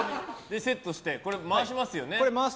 セットして、回しますよね。